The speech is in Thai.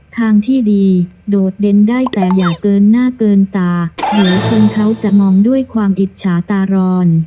ทางที่ดีโดดเด่นได้แต่อย่าเกินหน้าเกินตาเหลือคนเขาจะมองด้วยความอิจฉาตาร้อน